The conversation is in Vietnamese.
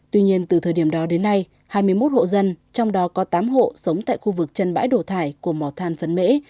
tuy nhiên từ thời điểm đó đến nay hai mươi một hộ dân trong đó có tám hộ sống tại khu vực chân bãi đổ thải của mỏ than phấn mễ